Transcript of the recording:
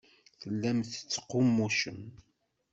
Tellam tettqummucem.